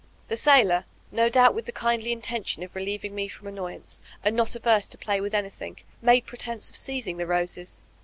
'' The sailor, no doubt with the kindly mtention of relieving me from annoyance, and not averse to play with anything, made pretence of seizing the roses.